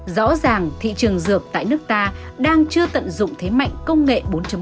rõ ràng thị trường dược tại nước ta đang chưa tận dụng thế mạnh công nghệ bốn